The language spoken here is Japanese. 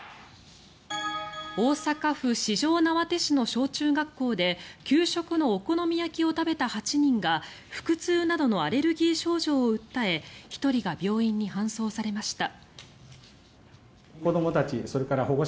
大阪府四條畷市の小中学校で給食のお好み焼きを食べた８人が腹痛などのアレルギー症状を訴え１人が病院に搬送されました。